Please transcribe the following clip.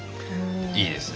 いいですね。